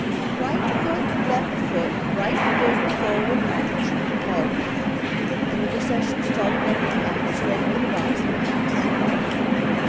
"Right foot, left foot, right foot, forward march!" called Nan, and the procession started up the path straight for the Bobbsey house.